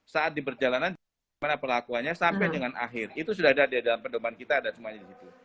saat diperjalanan bagaimana perlakuannya sampai dengan akhir itu sudah ada di dalam perdoman kita dan semuanya